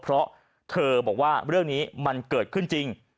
เพราะเธอบอกว่าเรื่องนี้มันเกิดขึ้นจริง